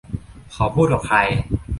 เขาพูดกับใคร